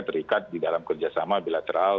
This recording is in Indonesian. terikat di dalam kerjasama bilateral